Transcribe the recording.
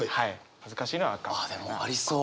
恥ずかしいのは「赤」みたいな。ありそう！